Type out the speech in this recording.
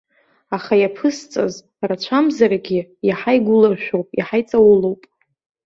Аха иаԥысҵаз рацәамзаргьы, иаҳа игәылыршәоуп, иаҳа иҵаулоуп.